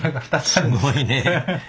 すごいねぇ。